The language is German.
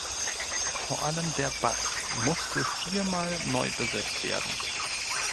Vor allem der Bass musste vier Mal neu besetzt werden.